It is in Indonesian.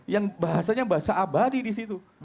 yang bahasanya bahasa abadi disitu